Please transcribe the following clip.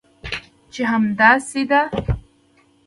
چې همداسې ده؟